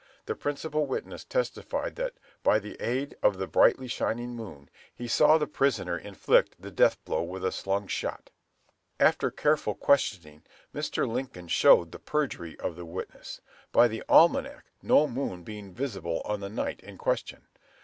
The principal witness testified that "by the aid of the brightly shining moon, he saw the prisoner inflict the death blow with a slung shot." After careful questioning, Mr. Lincoln showed the perjury of the witness, by the almanac, no moon being visible on the night in question.